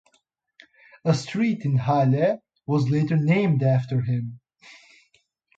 A street in Halle was later named after him.